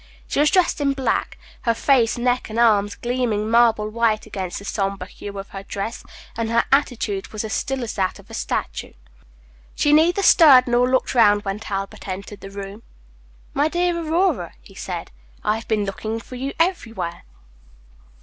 She was dressed in black, her face, neck, and arms gleaming marble white against the sombre hue of her dress, and her attitude was as still as that of a statue. She neither stirred nor looked round when Talbot entered the room. "My dear Aurora," he said, "I have been looking for you everywhere."